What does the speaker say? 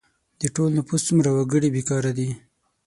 د ټول نفوس څومره وګړي بې کاره دي؟